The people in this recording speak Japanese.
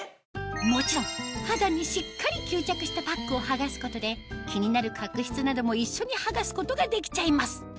もちろん肌にしっかり吸着したパックを剥がすことで気になる角質なども一緒に剥がすことができちゃいます